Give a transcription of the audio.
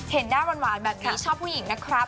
เห็นหน้าหวานแบบนี้ชอบผู้หญิงนะครับ